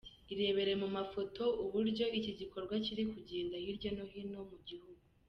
irebere mu mafoto uburyo iki gikorwa kiri kugenda hirya no hino mu gihugu.